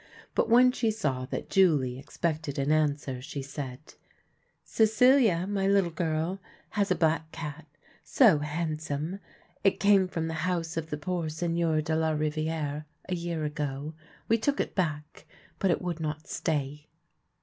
But when she saw that Julie expected an answer, she said, " Ce cilia, my little girl, has a black cat — so handsome. It came from the house of the poor Seigneur de la Ri viere a year ago. We took it back, but it would not stay."